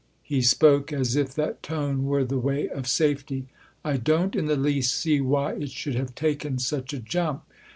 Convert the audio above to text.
" he spoke as if that tone were the way of safety. " I don't in the least see why it should have taken such a jump.